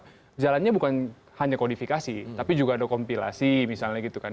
nah tapi perhubungannya bukan hanya kodifikasi tapi juga ada kompilasi misalnya gitu kan